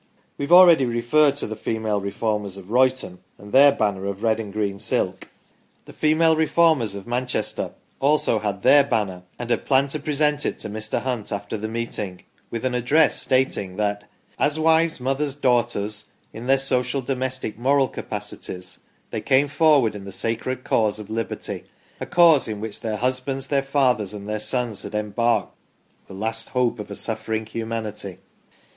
We have already referred to the Female Reformers of Royton, and their banner of red and green silk. The Female Reform ers of Manchester also had their banner and had planned to present it to Mr. Hunt after the meeting, with an address stating that " as wives, mothers, daughters, in their social, domestic, moral capacities, they came forward in the sacred cause of liberty, a cause in which their husbands, their fathers, and their sons had embarked the last hope of a suffering humanity